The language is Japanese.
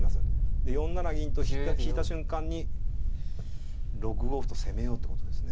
で４七銀と引いた瞬間に６五歩と攻めようってことですね。